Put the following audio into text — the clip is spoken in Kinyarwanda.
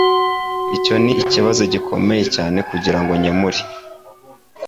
Icyo nikibazo gikomeye cyane kugirango nkemure.